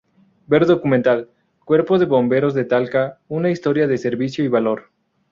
Ver documental "Cuerpo de Bomberos de Talca: una historia de servicio y valor".